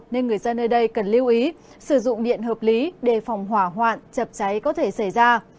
nên người dân nơi đây cần lưu ý sử dụng điện hợp lý để phòng hỏa hoạn chập cháy có thể xảy ra